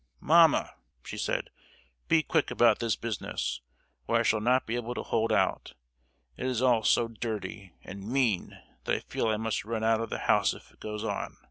"Mamma!" she said, "be quick about this business, or I shall not be able to hold out. It is all so dirty and mean that I feel I must run out of the house if it goes on.